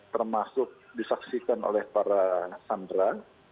termasuk disaksikan oleh para sandera